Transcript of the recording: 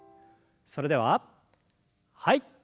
それでははい。